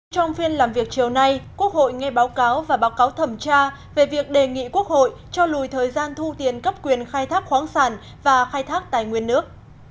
trong phiên làm việc chiều nay quốc hội nghe báo cáo và báo cáo thẩm tra về việc đề nghị quốc hội cho lùi thời gian thu tiền cấp quyền khai thác khoáng sản và khai thác tài nguyên nước